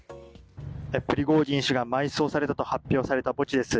プリゴジン氏が埋葬されたと発表された墓地です。